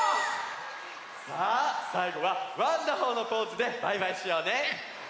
さあさいごはワンダホーのポーズでバイバイしようね！